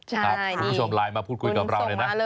คุณผู้ชมไลน์มาพูดคุยกับเราเลยนะ